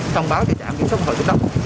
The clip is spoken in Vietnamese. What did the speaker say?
thông báo cho trạm kiểm soát phòng